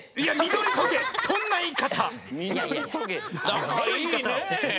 なかいいね。